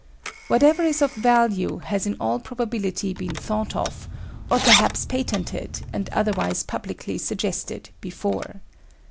Whatever is of value has in all probability been thought of, or perhaps patented and otherwise publicly suggested, before.